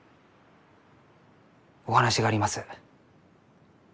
お話があります。